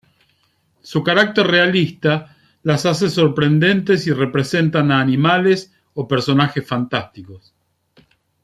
Su carácter realista las hace sorprendentes y representan a animales o personajes fantásticos.